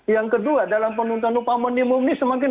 yang kedua dalam penercapan upah minimum apa yang bisa kita lakukan